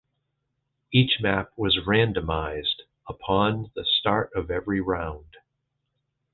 Each map was randomized upon the start of every round.